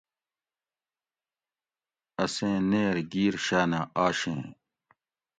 اسیں نیر گِیر شاۤنہ آشیں